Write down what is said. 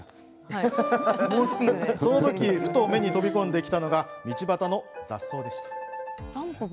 その時ふと目に飛び込んできたのが道端の雑草でした。